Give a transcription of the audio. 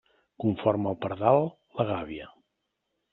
Conforme el pardal, la gàbia.